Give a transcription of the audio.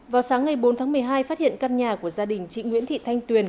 vào sáng ngày bốn tháng một mươi hai phát hiện căn nhà của gia đình chị nguyễn thị thanh tuyền